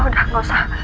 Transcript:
udah nggak usah